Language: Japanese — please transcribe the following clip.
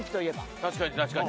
確かに確かに。